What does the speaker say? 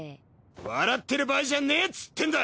笑ってる場合じゃねえっつってんだ！